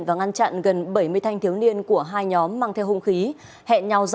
và ngăn chặn gần bảy mươi thanh thiếu niên